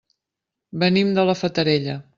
Venim de la Fatarella.